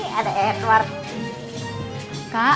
kamu semua bisa keluarkk